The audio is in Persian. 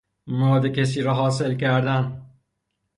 مراد کسی را حاصل کردن